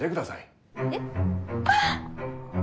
えっ？ああ！